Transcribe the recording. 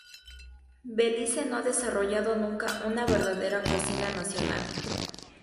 Belice no ha desarrollado nunca una verdadera cocina nacional.